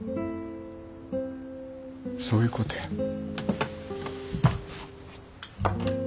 そういうことや。